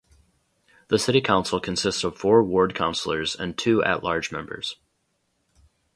The city council consists of four ward counselors and two At-Large members.